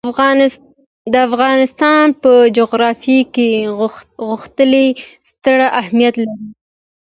د افغانستان په جغرافیه کې غوښې ستر اهمیت لري.